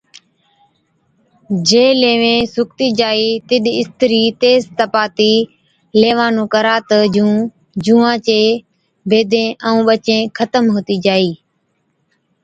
جين ليوين جِڏ سُوڪتِي جائِي تِڏ اِسترِي تيز تپاتِي ليوان نُون ڪرا تہ جُون جُونئان چين بيدين ائُون ٻچين ختم هُتِي جائِي۔